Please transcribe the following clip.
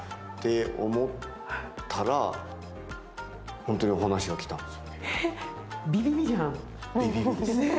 思ったら、本当にお話が来たんです。